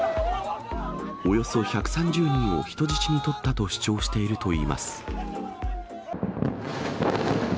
およそ１３０人を人質に取ったと主張しています。